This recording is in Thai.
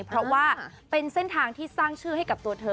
เพราะว่าเป็นเส้นทางที่สร้างชื่อให้กับตัวเธอ